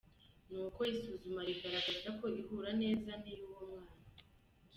Nuko isuzuma rigaragaza ko ihura neza n'iy'uwo mwana.